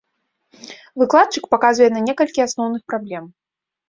Выкладчык паказвае на некалькі асноўных праблем.